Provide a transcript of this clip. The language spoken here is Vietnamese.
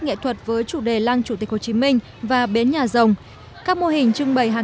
nghệ thuật với chủ đề lăng chủ tịch hồ chí minh và bến nhà rồng các mô hình trưng bày hàng